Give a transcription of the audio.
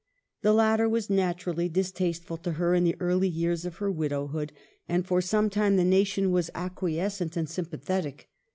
The latter was naturally distasteful to her in the early years of her widowhood, and for some time the nation was acqui escent and sympathetic.